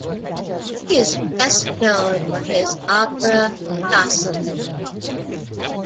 He is best known for his opera Jocelyn.